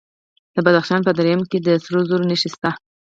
د بدخشان په درایم کې د سرو زرو نښې شته.